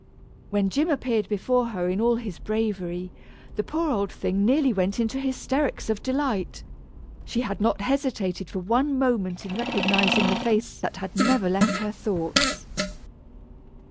When Jim appeared before her in all his bravery, the poor old thing nearly went into hysterics of delight she had not hesitated for one moment in recognizing the face that had never left her thoughts.